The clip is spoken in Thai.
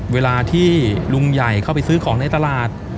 เวลาที่ลุงใหญ่เข้าไปซื้อของในตลาด